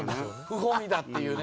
不本意だっていうね。